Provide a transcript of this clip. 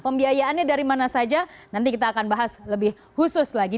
pembiayaannya dari mana saja nanti kita akan bahas lebih khusus lagi